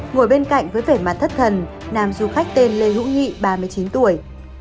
ngồi bên cạnh với vẻ mặt thất thần nam du khách tên lê hữu nghị ba mươi chín tuổi